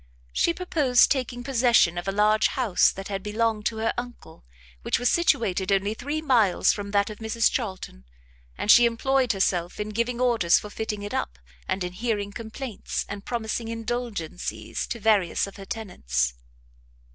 She purposed taking possession of a large house that had belonged to her uncle, which was situated only three miles from that of Mrs Charlton; and she employed herself in giving orders for fitting it up, and in hearing complaints, and promising indulgencies, to various of her tenants.